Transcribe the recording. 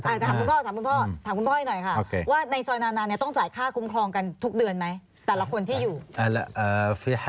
ว่าในซอยนานาเนี่ยต้องจ่ายค่าคุมครองกันทุกเดือนไหม